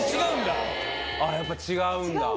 やっぱ違うんだ。